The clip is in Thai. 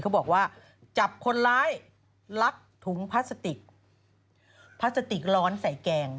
เขาบอกว่าจับคนร้ายลักถุงพลาสติกพลาสติกร้อนใส่แกง